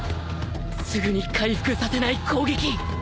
すぐに回復させない攻撃